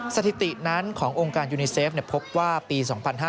สถิตินั้นขององค์การยูนิเซฟพบว่าปี๒๕๕๙